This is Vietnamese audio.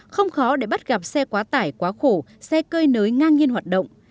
không khó để bắt gặp xe quá tải quá khổ xe cơi nới ngang nhiên hoạt động